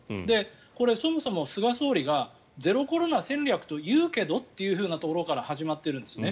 これ、そもそも菅総理がゼロコロナ戦略というけどっていうところから始まっているんですね。